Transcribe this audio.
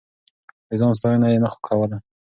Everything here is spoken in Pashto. د ځان ستاينه يې نه خوښوله.